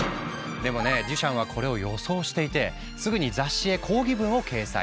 でもねデュシャンはこれを予想していてすぐに雑誌へ抗議文を掲載。